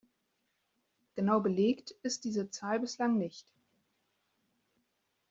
Genau belegt ist diese Zahl bislang nicht.